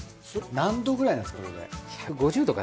何℃くらいなんですか？